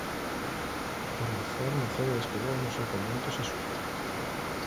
Tournefort naceu e estudou no seu convento xesuíta.